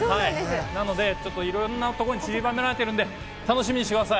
いろんなものが散りばめられているので楽しみにしてください。